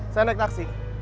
saya naik taksi